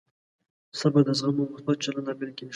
صبر د زغم او مثبت چلند لامل کېږي.